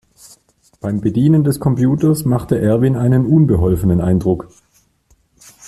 Beim Bedienen des Computers machte Erwin einen unbeholfenen Eindruck.